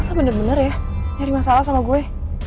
saya bener bener ya nyari masalah sama gue